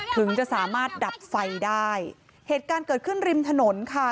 ถึงจะสามารถดับไฟได้เหตุการณ์เกิดขึ้นริมถนนค่ะ